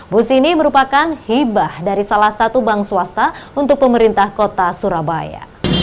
bus ini merupakan hibah dari salah satu bank swasta untuk pemerintah kota surabaya